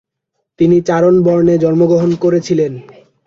তিনি চারণ বর্ণে জন্মগ্রহণ করেছিলেন।